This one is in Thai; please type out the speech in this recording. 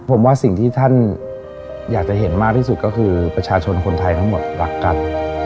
ผมว่าสิ่งที่ท่านอยากจะเห็นมากที่สุดก็คือประชาชนคนไทยทั้งหมดรักกัน